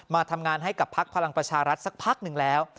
มาทำงานให้กับพักพลังประชารัฐสักพักหนึ่งแล้ว